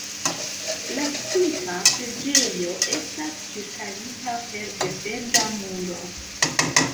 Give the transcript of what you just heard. La tuta preĝejo estas ĉirkaŭita per defenda muro.